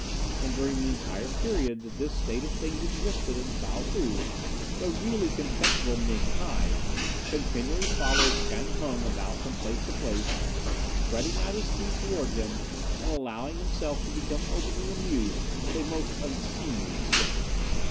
And during the entire period that this state of things existed in Fow Hou the really contemptible Ming hi continually followed Chan Hung about from place to place, spreading out his feet towards him, and allowing himself to become openly amused to a most unseemly extent.